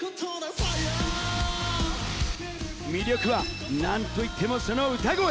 魅力は、何といってもその歌声。